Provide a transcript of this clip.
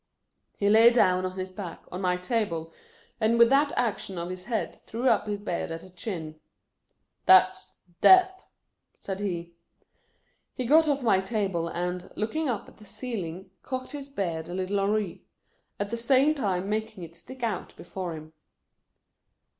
He laid down, on his back, on my table, and with that action of his head threw up his beard at the chin. " That 's death !" said he. He got off my table and, looking up at the ceiling, cocked his beard a little awry ; at the same time making it stick out before him.